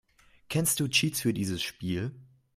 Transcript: Kennst du Cheats für dieses Spiel?